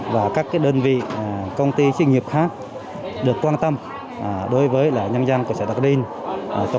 và các đơn vị công ty sinh nghiệp khác được quan tâm đối với nhân dân của xã đắc đinh